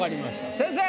先生！